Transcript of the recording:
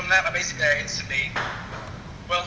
dan dari situ aku tiba tiba